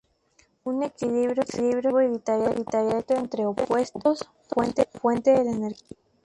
Un equilibrio excesivo evitaría el conflicto entre opuestos, fuente de la energía.